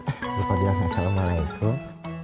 eh lupa bilang assalamualaikum